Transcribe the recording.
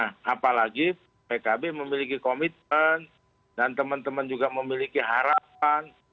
nah apalagi pkb memiliki komitmen dan teman teman juga memiliki harapan